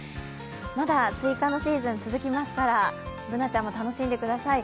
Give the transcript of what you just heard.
まだ、スイカのシーズン続きますから、Ｂｏｏｎａちゃんも楽しんでください。